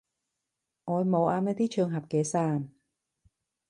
我冇啱呢啲場合嘅衫